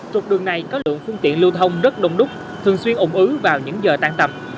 trục đường này có lượng phương tiện lưu thông rất đông đúc thường xuyên ủng ứ vào những giờ tan tập